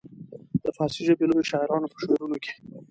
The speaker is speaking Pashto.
د فارسي ژبې لویو شاعرانو په شعرونو کې.